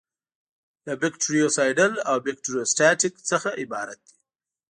له بکټریوسایډل او بکټریوسټاټیک څخه عبارت دي.